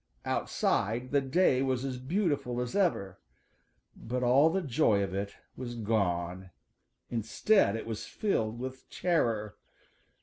Outside the day was as beautiful as ever, but all the joy of it was gone. Instead, it was filled with terror.